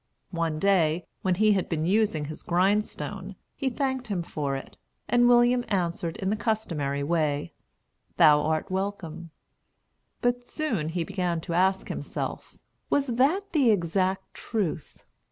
One day, when he had been using his grindstone, he thanked him for it, and William answered, in the customary way, "Thou art welcome." But soon he began to ask himself, "Was that the exact truth?"